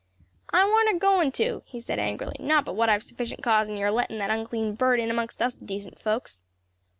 "I wa'n't agoin' to!" he said angrily; "not but what I've sufficient cause in your letting that unclean bird in amongst us decent folks."